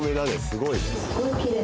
すごいね。